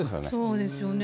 そうですよね。